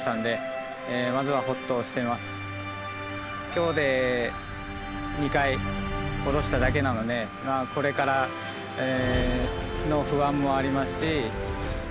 今日で２回下ろしただけなのでこれからの不安もありますし